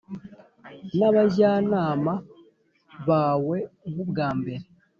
n’abajyanama bawe nk’ubwa mbere